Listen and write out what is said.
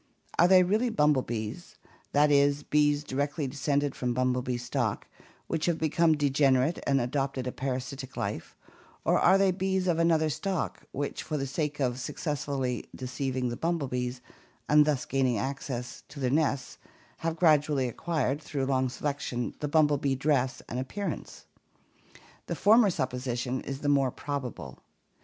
Are they really bumblebees, that is, bees directly descended from bumblebee stock, which have become degenerate and adopted a parasitic life, or are they bees of another stock, which, for the sake of successfully deceiving the bumblebees and thus gaining access to their 256 ORGANIC EVOLUTION nests, have gradually acquired (through long selection) the bumblebee dress and general appearance? The former supposition is the more probable.